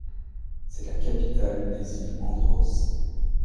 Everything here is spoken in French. C'est la capitale des îles Andros.